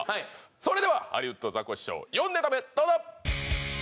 それではハリウッドザコシショウ４ネタ目どうぞ！